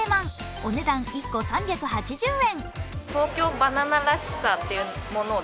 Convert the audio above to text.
お値段１個３８０円。